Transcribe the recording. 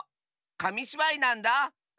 かみしばいなんだ。